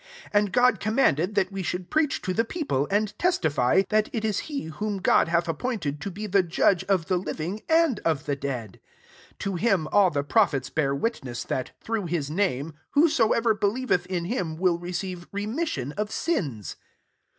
42 And God commanded that we should preach to the people, and tes tify, that it is he whom God hath appointed to te the judge of the living and of the dead. 43 To him all the prophets bear witness, that, through his name, whosoever believeth in him will receive remission of sins."